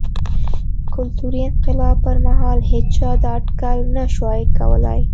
کلتوري انقلاب پر مهال هېچا دا اټکل نه شوای کولای.